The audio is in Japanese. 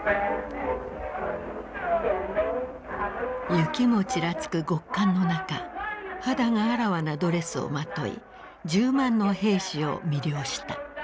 雪もちらつく極寒の中肌があらわなドレスをまとい１０万の兵士を魅了した。